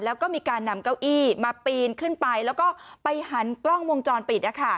แล้วก็มีการนำเก้าอี้มาปีนขึ้นไปแล้วก็ไปหันกล้องวงจรปิด